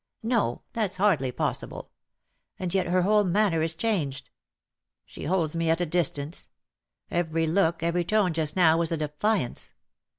" No, that^s hardly possible. And yet her whole man ner is changed. She holds me at a distance. Every look, every tone just now was a defiance.